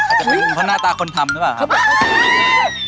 อาจจะเป็นเพราะหน้าตาคนทำนี่แหละครับ